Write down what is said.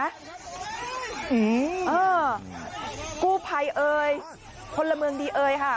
อื้อคู่ภัยเอ่ยคนละเมืองดีเอ่ยค่ะ